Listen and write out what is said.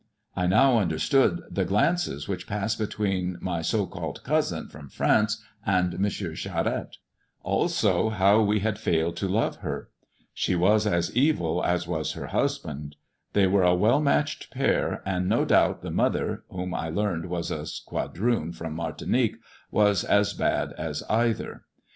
I now under stood the glances which passed between my so called cousin from France and M. Charette. Also how we had failed to turned my thoughts to matrimoDy." love her. She was as evil as was her husband. They were a well matched pair, and no doubt the mother (whom I learned was a quadroon from Martinique) was as bad as either.